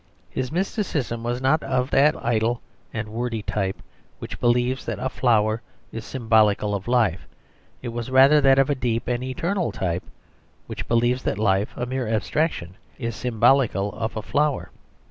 His mysticism was not of that idle and wordy type which believes that a flower is symbolical of life; it was rather of that deep and eternal type which believes that life, a mere abstraction, is symbolical of a flower.